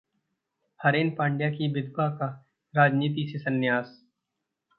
हरेन पांड्या की विधवा का राजनीति से संन्यास